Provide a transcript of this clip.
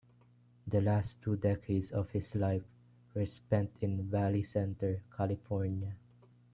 The last two decades of his life were spent in Valley Center, California.